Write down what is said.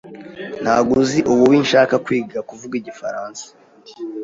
Ntabwo uzi ububi nshaka kwiga kuvuga igifaransa.